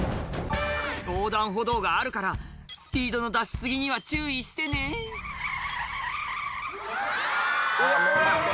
横断歩道があるからスピードの出し過ぎには注意してね嫌！